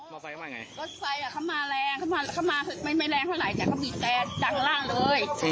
นี่ก็จอดตรงเนี่ย